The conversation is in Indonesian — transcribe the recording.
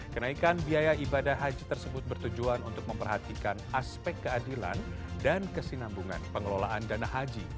kenaikan biaya ibadah haji tersebut bertujuan untuk memperhatikan aspek keadilan dan kesinambungan pengelolaan dana haji